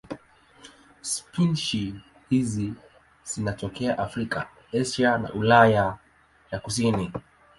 Spishi hizi zinatokea Afrika, Asia na Ulaya ya kusini.